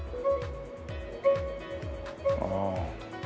ああ。